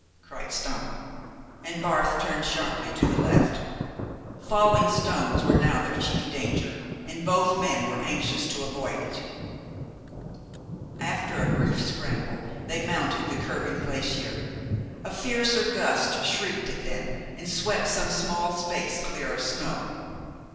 cried Stampa, and Barth turned sharply to the left. Falling stones were now their chief danger, and both men were anxious to avoid it. After a brief scramble they mounted the curving glacier. A fiercer gust shrieked at them and swept some small space clear of snow.